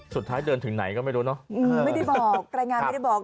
สุดท้ายเดินถึงไหนก็ไม่รู้เนอะไม่ได้บอกรายงานไม่ได้บอก